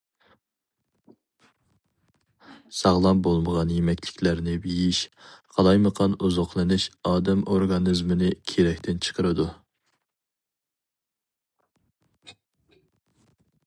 ساغلام بولمىغان يېمەكلىكلەرنى يېيىش، قالايمىقان ئوزۇقلىنىش ئادەم ئورگانىزمىنى كېرەكتىن چىقىرىدۇ.